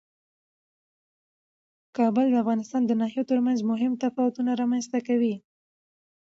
کابل د افغانستان د ناحیو ترمنځ مهم تفاوتونه رامنځ ته کوي.